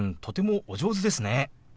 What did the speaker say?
とてもお上手ですね。